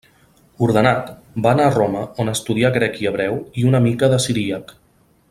Ordenat, va anar a Roma on estudià grec i hebreu i una mica de siríac.